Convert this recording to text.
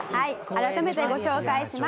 改めてご紹介します。